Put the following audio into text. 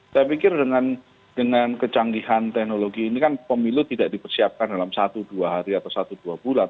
saya pikir dengan kecanggihan teknologi ini kan pemilu tidak dipersiapkan dalam satu dua hari atau satu dua bulan